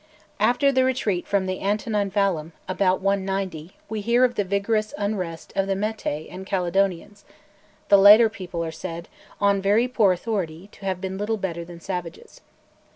After the retreat from the Antonine Vallum, about 190, we hear of the vigorous "unrest" of the Meatae and Caledonians; the latter people are said, on very poor authority, to have been little better than savages.